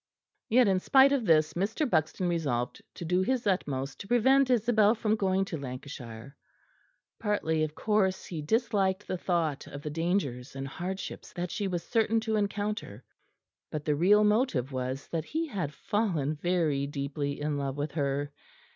Yet, in spite of this, Mr. Buxton resolved to do his utmost to prevent Isabel from going to Lancashire; partly, of course, he disliked the thought of the dangers and hardships that she was certain to encounter; but the real motive was that he had fallen very deeply in love with her.